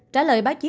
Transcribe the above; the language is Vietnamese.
trả lời bác sĩ